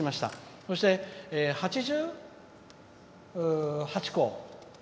そして、８８校。